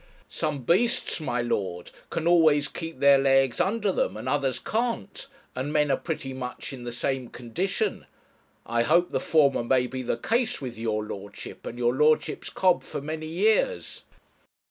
'Some beasts, my lord, can always keep their legs under them, and others can't; and men are pretty much in the same condition. I hope the former may be the case with your lordship and your lordship's cob for many years.'